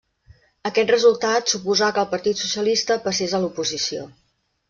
Aquest resultat suposà que el Partit Socialista passés a l'oposició.